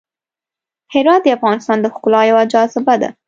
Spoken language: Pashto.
هرات د افغانستان د ښکلا یوه جاذبه ده.